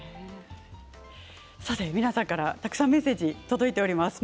皆さんから、たくさんメッセージ届いております。